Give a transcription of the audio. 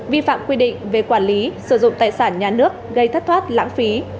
vi phạm quy định về quản lý sử dụng tài sản nhà nước gây thất thoát lãng phí